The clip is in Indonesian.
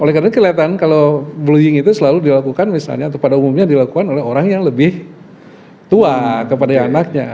oleh karena kelihatan kalau bullying itu selalu dilakukan misalnya atau pada umumnya dilakukan oleh orang yang lebih tua kepada anaknya